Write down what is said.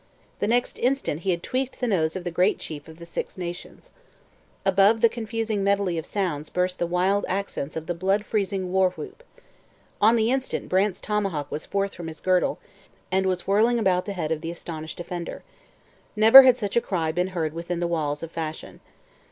The next instant he had tweaked the nose of the great chief of the Six Nations. Above the confusing medley of sounds burst the wild accents of the blood freezing war whoop. On the instant Brant's tomahawk was forth from his girdle, and was whirling about the head of the astonished offender. Never had such a cry been heard within the halls of fashion.